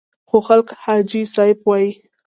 خو خلک حاجي صاحب وایي.